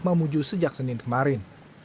memuju sejak senin kemarin